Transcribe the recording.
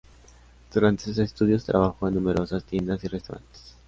Durante sus estudios, trabajó en numerosas tiendas y restaurantes.